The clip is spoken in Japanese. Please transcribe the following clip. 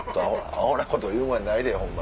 アホなこと言うもんやないで。